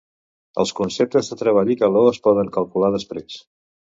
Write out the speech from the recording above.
Els conceptes de treball i calor es poden calcular després.